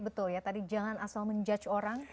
betul ya tadi jangan asal menjudge orang